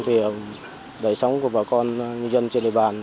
thì đời sống của bà con người dân trên đời bàn